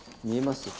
見えます？